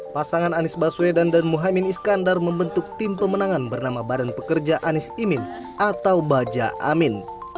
pasangan anies baswedan dan muhaymin iskandar membentuk tim pemenangan bernama badan pekerja anies imin atau baja amin